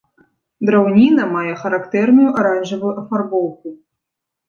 Драўніна мае характэрную аранжавую афарбоўку.